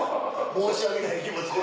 申し訳ない気持ちで。